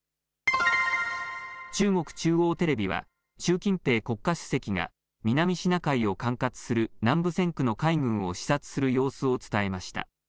中国中央テレビは習近平国家主席が南シナ海を管轄する南部戦区の海軍を視察する様子を伝えました。